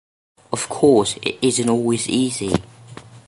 Of course, it isn’t always easy.